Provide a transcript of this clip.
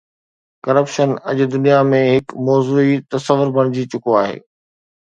Corruption اڄ دنيا ۾ هڪ موضوعي تصور بڻجي چڪو آهي.